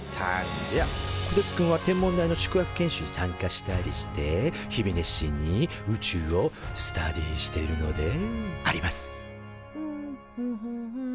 こてつくんは天文台の宿泊研修に参加したりして日々熱心に宇宙をスタディーしているのであります